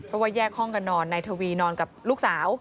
เพราะว่าแยกห้องกันนอนนายทวีนอนกับลูกสาว